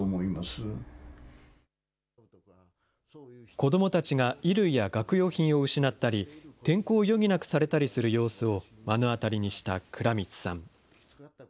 子どもたちが衣類や学用品を失ったり、転校を余儀なくされたりする様子を目の当たりにした藏滿さん。